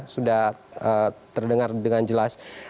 sudah terdengar dengan jelas